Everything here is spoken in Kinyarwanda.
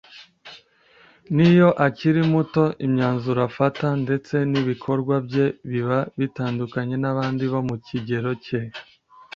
n’iyo akiri muto imyanzuro afata ndetse n’ibikorwa bye biba bitandukanye n’abandi bo mu kigero cye